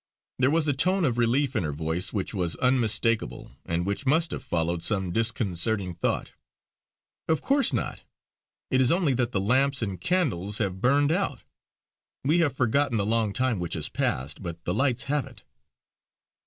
There was a tone of relief in her voice which was unmistakable, and which must have followed some disconcerting thought: "Of course not! It is only that the lamps and candles have burned out. We have forgotten the long time which has passed; but the lights haven't!"